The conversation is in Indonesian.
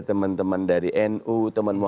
setengah sudah misalnya mungkin